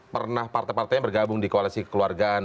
pernah partai partainya bergabung di koalisi kekeluargaan